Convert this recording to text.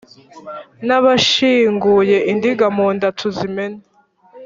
n'abashyinguye indiga mu nda tuzimene.